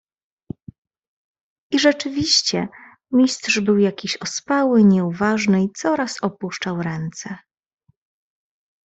"I rzeczywiście, Mistrz był jakiś ospały, nieuważny i coraz opuszczał ręce."